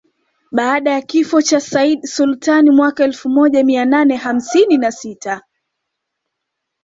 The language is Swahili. Baada ya kifo cha Sayyid Sultan mwaka elfu moja mia nane hamsini na sita